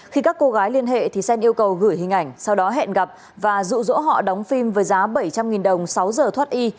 khi các cô gái liên hệ xen yêu cầu gửi hình ảnh sau đó hẹn gặp và dụ dỗ họ đóng phim với giá bảy trăm linh đồng sáu giờ thoát y